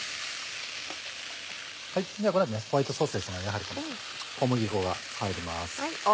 この後ホワイトソースですがやはり小麦粉が入ります。